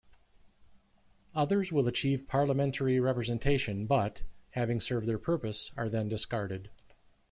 Others will achieve parliamentary representation but, having served their purpose, are then discarded.